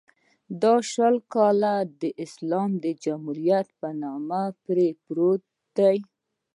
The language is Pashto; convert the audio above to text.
دا شل کاله د اسلامي جمهوریت نوم پرې پروت دی.